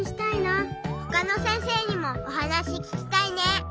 ほかの先生にもおはなしききたいね。